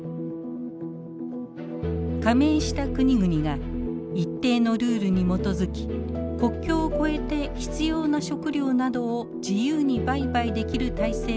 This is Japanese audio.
加盟した国々が一定のルールに基づき国境を超えて必要な食料などを自由に売買できる体制が構築されました。